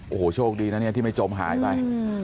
โอ้โหโชคดีนะเนี่ยที่ไม่จมหายไป